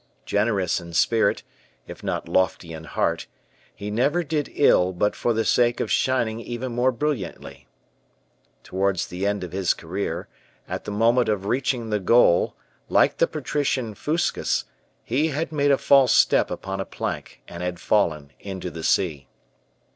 Generous in spirit, if not lofty in heart, he never did ill but for the sake of shining even yet more brilliantly. Towards the end of his career, at the moment of reaching the goal, like the patrician Fuscus, he had made a false step upon a plank, and had fallen into the sea.